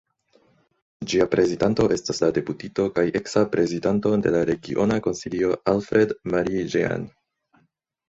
Ĝia prezidanto estas la deputito kaj eksa prezidanto de la Regiona Konsilio Alfred Marie-Jeanne.